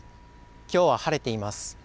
きょうは晴れています。